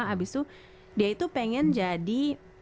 abis itu dia itu pengen jadi